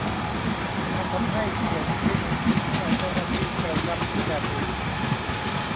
มันทำให้เสียงคลิกเมื่อเจ้าหน้าที่กระชับกุญแจมือ